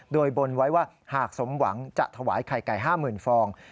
โดยบนไว้ว่าหากสมหวังจะถวายไข่ไก่๕๐๐๐ฟอง